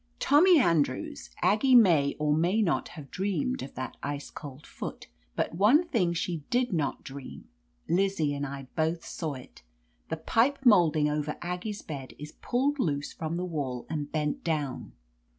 Tommy Andrews, Aggie may or may not have dreamed of that ice cold foot, but one thing she did not dream ; Lizzie and I both saw it. The pipe molding over Aggie's bed is pulled loose from the wall and bent down."